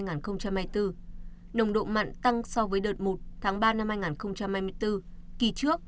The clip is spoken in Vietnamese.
nồng độ mặn tăng so với đợt một tháng ba năm hai nghìn hai mươi bốn kỳ trước